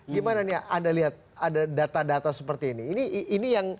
gimana nih ya ada data data seperti ini